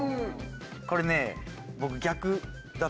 これね僕。